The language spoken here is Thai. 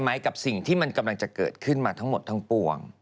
ไม่ต้องนี่ก็แก้กันแล้ว